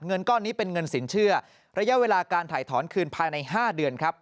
เงินก้อนนี้เป็นเงินสินเชื่อระยะเวลาการถ่ายถอนคืนภายใน๕เดือนครับ